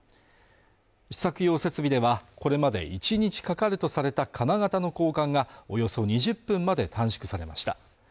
試作用設備ではこれまで１日かかるとされた金型の交換がおよそ２０分まで短縮されました